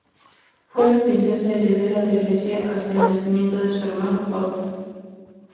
Fue la princesa heredera de Grecia hasta el nacimiento de su hermano Pablo.